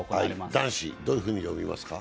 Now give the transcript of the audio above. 男子、どういうふうに読みますか？